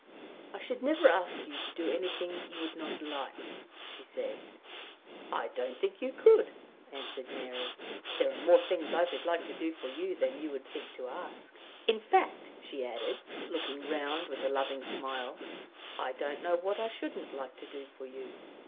"I should never ask you to do anything you would not like," she said. "I don't think you could," answered Mary. "There are more things I should like to do for you than you would think to ask. In fact," she added, looking round with a loving smile, "I don't know what I shouldn't like to do for you."